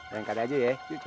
rengka dia aja ya